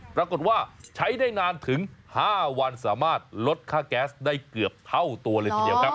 ปรากฏว่าใช้ได้นานถึง๕วันสามารถลดค่าแก๊สได้เกือบเท่าตัวเลยทีเดียวครับ